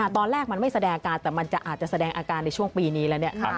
ตอนแรกมันไม่แสดงอาการแต่มันอาจจะแสดงอาการในช่วงปีนี้แล้ว